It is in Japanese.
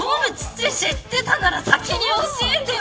知ってるなら先に教えてよ